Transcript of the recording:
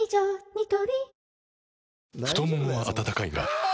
ニトリ太ももは温かいがあ！